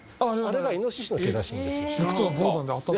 あれがイノシシの毛らしいんですよ。